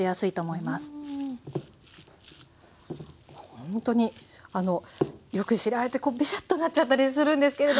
ほんとにあのよく白あえってこうベシャッとなっちゃったりするんですけれども。